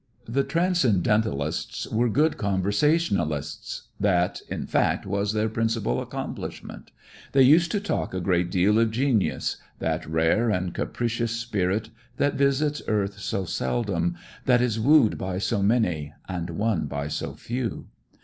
The Transcendentalists were good conversationalists, that in fact was their principal accomplishment. They used to talk a great deal of genius, that rare and capricious spirit that visits earth so seldom, that is wooed by so many, and won by so few.